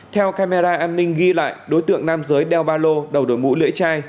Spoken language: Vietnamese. theo camera an ninh ghi lại đối tượng nam giới đeo ba lô đầu đội mũ lưỡi chai